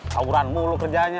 tawuran mulu kerjaannya